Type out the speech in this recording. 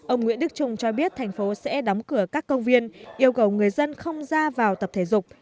ông nguyễn đức trung cho biết thành phố sẽ đóng cửa các công viên yêu cầu người dân không ra vào tập thể dục